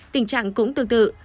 tình trạng cũng tương tự